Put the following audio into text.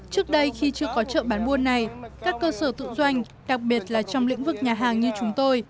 trước đây khi chưa có chợ bán buôn này các cơ sở tự doanh đặc biệt là trong lĩnh vực nhà hàng như chúng tôi